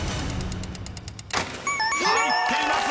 ［入っています。